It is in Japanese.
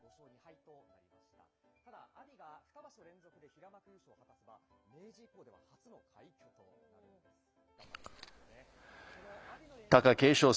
ただ、阿炎が二場所連続で平幕優勝を果たせば、明治以降では初の快挙となるんです。